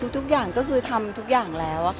ทุกอย่างก็คือทำทุกอย่างแล้ว